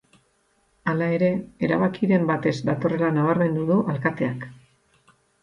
Hala ere, erabakiarekin bat ez datorrela nabarmendu du alkateak.